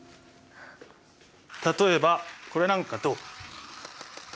例えばこれなんかどう？